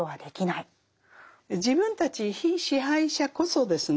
自分たち被支配者こそですね